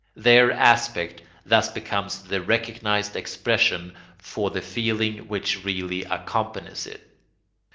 Their aspect thus becomes the recognised expression for the feeling which really accompanies it.